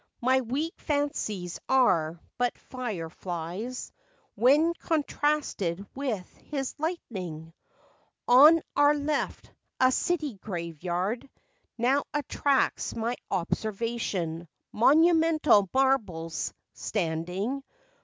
My weak fancies are but fire flies, When contrasted with his lightning. On our left, a city grave yard Now attracts my observation; Monumental marbles standing 92 FACTS AND FANCIES.